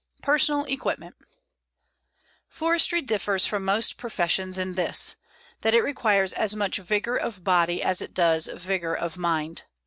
PERSONAL EQUIPMENT Forestry differs from most professions in this, that it requires as much vigor of body as it does vigor of mind.